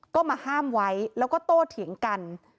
ก็มาห้ามไว้แล้วก็โตเถียงกัน